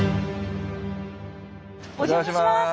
お邪魔します！